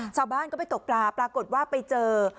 ชาวบ้านก็ไปตกปลาปรากฏว่าไปเจอ